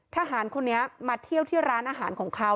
ทหารคนนี้มาเที่ยวที่ร้านอาหารของเขา